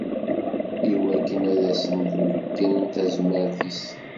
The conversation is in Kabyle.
Iwakken ad asen-d-ibeyyen tazmert-is.